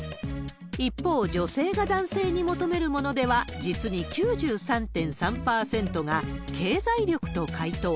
一方、女性が男性に求めるものでは、実に９３．３％が経済力と回答。